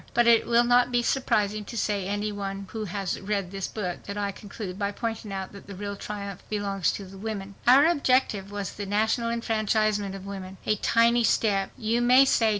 But it will not be surprising to any one who has read this book that I conclude by pointing out that the real triumph belongs to the women. Our objective was the national enfranchisement of women. A tiny step, you may say.